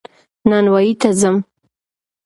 نانوايي ته ځم